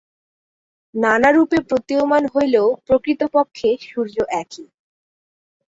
নানারূপে প্রতীয়মান হইলেও প্রকৃতপক্ষে সূর্য একই।